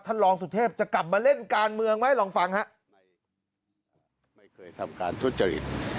รองสุเทพจะกลับมาเล่นการเมืองไหมลองฟังฮะไม่เคยทำการทุจริต